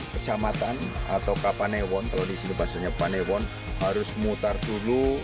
kejamatan atau ke panewon kalau disini bahasanya panewon harus mutar dulu